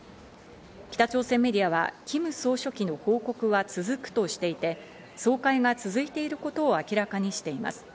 北朝鮮メディアはキム総書記の報告は続くとしていて、総会が続いていることを明らかにしています。